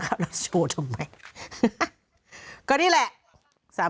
ก็นี่แหละ